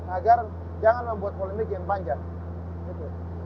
agar jangan membuat polemik yang panjang gitu